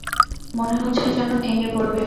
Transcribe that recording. মনে হচ্ছে যেনো ভেঙে পড়বে।